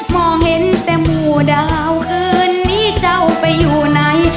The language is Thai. มองเห็นแต่หมู่ดาวอื่นนี้เจ้าไปอยู่ไหน